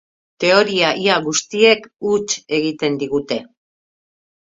Teoria ia guztiek huts egiten digute